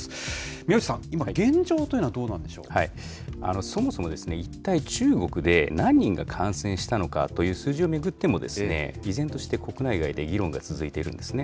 宮内さん、今、そもそも一体、中国で何人が感染したのかという数字を巡っても、依然として国内外で議論が続いているんですね。